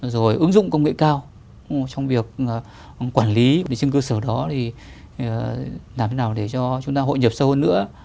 rồi ứng dụng công nghệ cao trong việc quản lý trên cơ sở đó thì làm thế nào để cho chúng ta hội nhập sâu hơn nữa